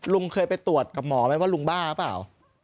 ลุงเคยไปตรวจกับหมอไหมว่าลุงบ้าเปล่า